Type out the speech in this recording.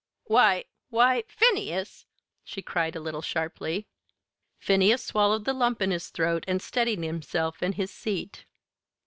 "Why, why Phineas!" she cried a little sharply. Phineas swallowed the lump in his throat and steadied himself in his seat.